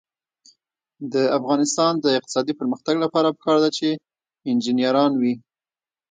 د افغانستان د اقتصادي پرمختګ لپاره پکار ده چې انجنیران وي.